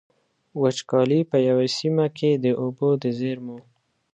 وچکالي په يوې سيمې کې د اوبو د زېرمو.